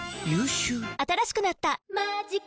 新しくなった「マジカ」